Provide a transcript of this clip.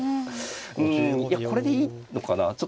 うんいやこれでいいのかなちょっと。